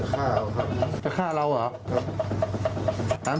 แกจะฆ่าเราครับ